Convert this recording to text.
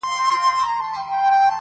پر دې گناه خو ربه راته ثواب راکه~